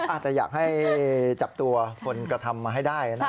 อาจจะอยากให้จับตัวคนกระทำมาให้ได้นะ